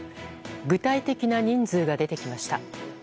具体的な人数が出てきました。